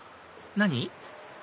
何？